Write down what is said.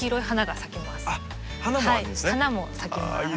花も咲きます。